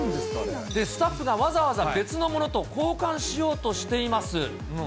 スタッフがわざわざ別のものと交換しようとしています。